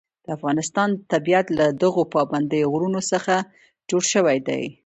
د افغانستان طبیعت له دغو پابندي غرونو څخه جوړ شوی دی.